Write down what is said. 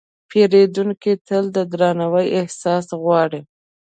پیرودونکی تل د درناوي احساس غواړي.